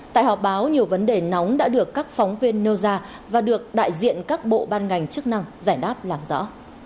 tại họp báo nhiều vấn đề nóng đã được các phóng viên nêu ra và được đại diện các bộ ban ngành chức năng giải đáp làm rõ